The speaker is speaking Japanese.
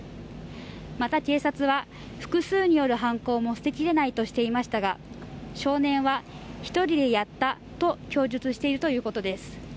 また警察は複数による犯行も捨てきれないとしていましたが少年は一人でやったと供述しているということです